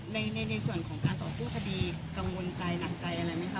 ในส่วนของการต่อสู้คดีกังวลใจหนักใจอะไรไหมคะ